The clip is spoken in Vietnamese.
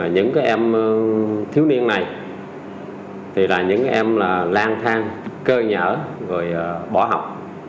những em thiếu niên này thì là những em là lan thang cơ nhở rồi bỏ học